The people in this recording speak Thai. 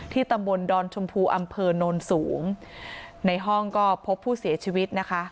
ตำบลดอนชมพูอำเภอโนนสูงในห้องก็พบผู้เสียชีวิตนะคะ